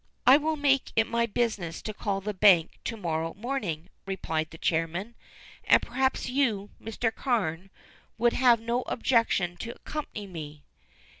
"I will make it my business to call at the bank to morrow morning," replied the chairman, "and perhaps you, Mr. Carne, would have no objection to accompany me."